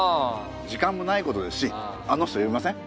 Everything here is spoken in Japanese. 時間もないことですしあの人呼びません？